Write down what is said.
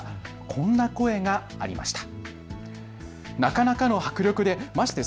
こんな声がありました。